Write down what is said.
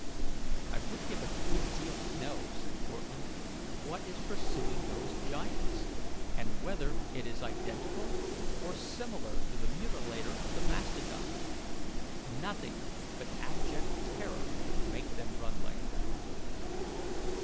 "I would give a good deal to know," said Cortlandt, "what is pursuing those giants, and whether it is identical or similar to the mutilator of the mastodon. Nothing but abject terror could make them run like that."